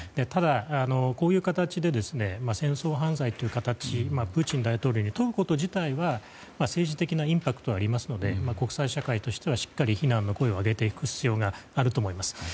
ただ、こういう形で戦争犯罪という形プーチン大統領に問うこと自体は政治的なインパクトはありますので国際社会としてはしっかり非難の声を上げていく必要があると思います。